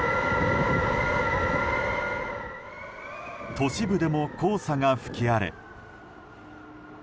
都市部でも黄砂が吹き荒れ。